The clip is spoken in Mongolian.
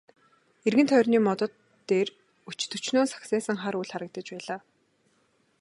Эргэн тойрны модод дээр өч төчнөөн сагсайсан хар үүр харагдаж байлаа.